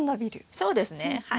そうですねはい。